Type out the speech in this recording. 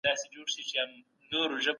د اوبو د کمښت له امله وني او بوټي وچ سول.